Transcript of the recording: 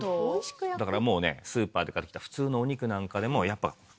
だからもうねスーパーで買ってきた普通のお肉なんかでもやっぱもうこの。